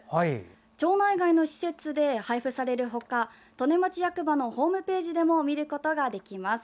町内外の施設で配布される他利根町役場のホームページでも見ることができます。